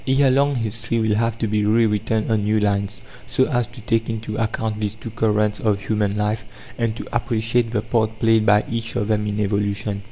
Ere long history will have to be re written on new lines, so as to take into account these two currents of human life and to appreciate the part played by each of them in evolution.